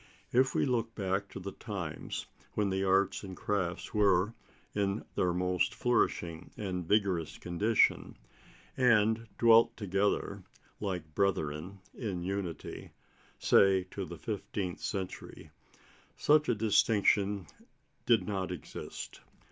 If we look back to the times when the arts and crafts were in their most flourishing and vigorous condition, and dwelt together, like brethren, in unity say to the fifteenth century such a distinction did not exist.